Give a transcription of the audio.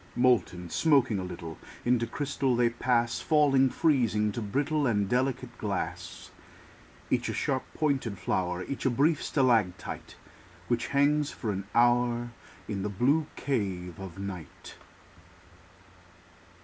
Molten, smoking a little, Into crystal they pass; Falling, freezing, to brittle And delicate glass. Each a sharp pointed flower, Each a brief stalactite Which hangs for an hour In the blue cave of night.